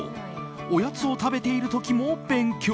おやつを食べている時も勉強。